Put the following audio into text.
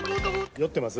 酔ってます？